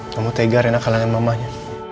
kamu tega karena kalangan mamanya